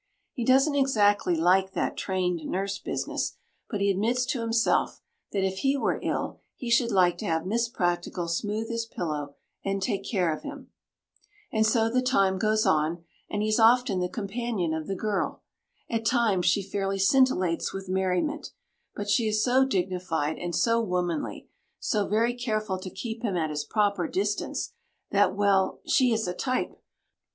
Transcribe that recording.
He doesn't exactly like "that trained nurse business," but he admits to himself that, if he were ill, he should like to have Miss Practical smooth his pillow and take care of him. And so the time goes on, and he is often the companion of the girl. At times, she fairly scintillates with merriment, but she is so dignified, and so womanly so very careful to keep him at his proper distance that, well, "she is a type!"